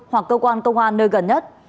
hoặc cơ quan công an nơi gần nhất